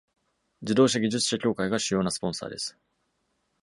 自動車技術者協会が主要なスポンサーです。